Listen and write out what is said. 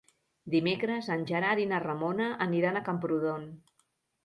Dimecres en Gerard i na Ramona aniran a Camprodon.